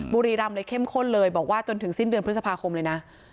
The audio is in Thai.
บุรีรำเลยเข้มข้นเลยบอกว่าจนถึงสิ้นเดือนพฤษภาคมเลยนะ